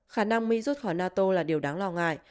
khả năng mỹ rút khỏi nato là điều đáng lo ngại